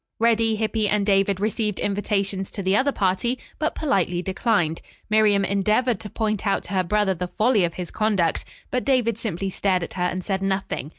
Reddy, Hippy and David received invitations to the other party, but politely declined. Miriam endeavored to point out to her brother the folly of his conduct, but David simply stared at her and said nothing.